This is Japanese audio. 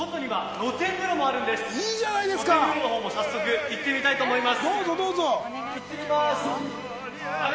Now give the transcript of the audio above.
露天風呂の方も早速、行ってみたいと思います。